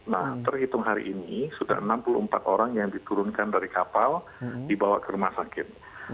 nah terhitung hari ini sudah enam puluh empat orang yang diturunkan dari kapal dibawa ke rumah sakit